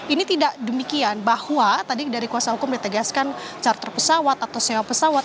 ini tidak demikian bahwa tadi dari kuasa hukum ditegaskan charter pesawat atau sewa pesawat